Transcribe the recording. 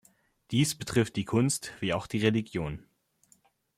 Dies betrifft die Kunst wie auch die Religion.